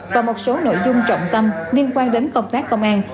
và một số nội dung trọng tâm liên quan đến công tác công an